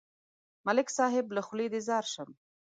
ملک صاحب، له خولې دې ځار شم.